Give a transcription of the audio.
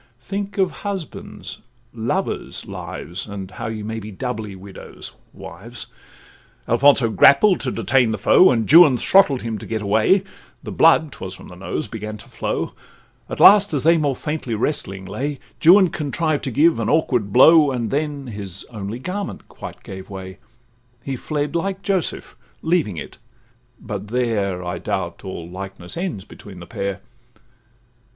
—Think of husbands', lovers' lives! And how ye may be doubly widows—wives! Alfonso grappled to detain the foe, And Juan throttled him to get away, And blood ('twas from the nose) began to flow; At last, as they more faintly wrestling lay, Juan contrived to give an awkward blow, And then his only garment quite gave way; He fled, like Joseph, leaving it; but there, I doubt, all likeness ends between the pair.